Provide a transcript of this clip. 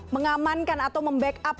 mengamankan atau membackup